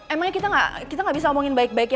emangnya kita gak bisa ngomongin baik baik ya